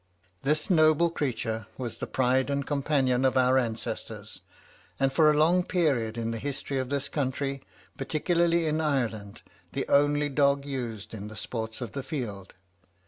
This noble creature was the pride and companion of our ancestors, and for a long period in the history of this country, particularly in Ireland, the only dog used in the sports of the field.